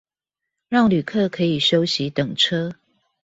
讓旅客可以休息等車